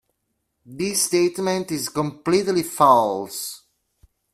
This statement is completely false.